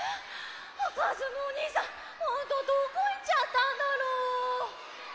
もうかずむおにいさんほんとどこいっちゃったんだろう？